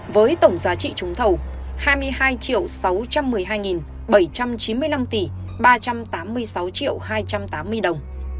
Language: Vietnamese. với tổng giá trị trúng thầu hai mươi hai sáu trăm một mươi hai bảy trăm chín mươi năm tỷ ba trăm tám mươi sáu hai trăm tám mươi đồng